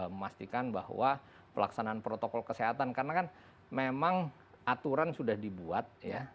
memastikan bahwa pelaksanaan protokol kesehatan karena kan memang aturan sudah dibuat ya